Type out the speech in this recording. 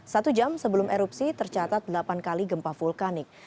satu jam sebelum erupsi tercatat delapan kali gempa vulkanik